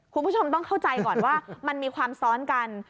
คุณผู้ชมต้องเข้าใจก่อนว่ามันมีความซ้อนกัน